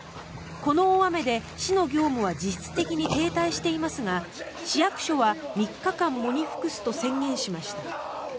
この大雨で市の業務は実質的に停滞していますが市役所は、３日間喪に服すと宣言しました。